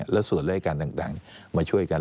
และส่วนรายการต่างมาช่วยกัน